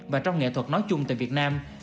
và trong nghệ thuật nói chung tại việt nam